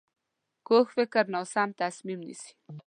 کوږ فکر ناسم تصمیم نیسي